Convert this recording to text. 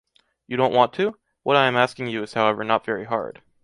You don’t want to? What I am asking you is however not very hard.